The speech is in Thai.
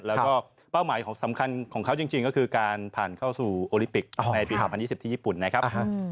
แล้วก็เป้าหมายสำคัญของเขาจริงก็คือการผ่านเข้าสู่โอลิปิกในปี๒๐๒๐ที่ญี่ปุ่นนะครับ